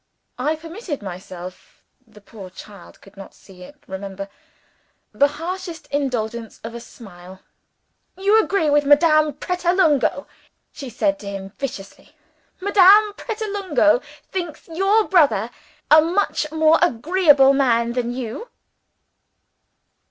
I permitted myself (the poor child could not see it, remember), the harmless indulgence of a smile. "You agree with Madame Pratolungo," she said to him viciously. "Madame Pratolungo thinks your brother a much more agreeable man than you."